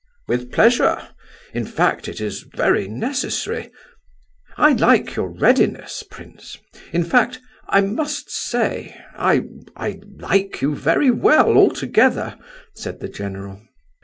"With pleasure! In fact, it is very necessary. I like your readiness, prince; in fact, I must say—I—I—like you very well, altogether," said the general.